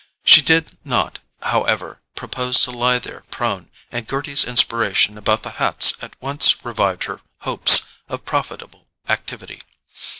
She did not, however, propose to lie there prone, and Gerty's inspiration about the hats at once revived her hopes of profitable activity.